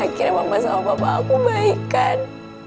akhirnya papa sama papa aku baikan